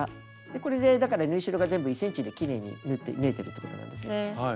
これでだから縫い代が全部１ｃｍできれいに縫えてるってことなんですね。